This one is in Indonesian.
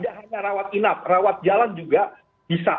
tidak hanya rawat inap rawat jalan juga bisa